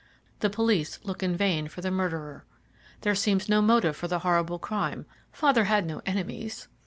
The police look in vain for the murderer. There seems no motive for the horrible crime father had no enemies."